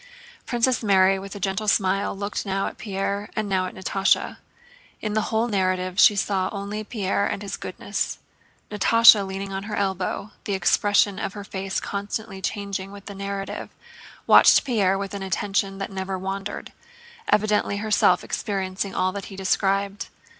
Princess Mary with a gentle smile looked now at Pierre and now at Natásha. In the whole narrative she saw only Pierre and his goodness. Natásha, leaning on her elbow, the expression of her face constantly changing with the narrative, watched Pierre with an attention that never wandered—evidently herself experiencing all that he described.